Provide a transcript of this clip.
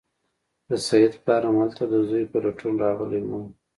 د سید پلار هم هلته د زوی په لټون راغلی و.